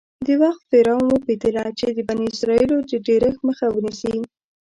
د وخت فرعون وپتېیله چې د بني اسرایلو د ډېرښت مخه ونیسي.